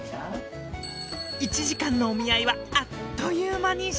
１時間のお見合いはあっという間に終了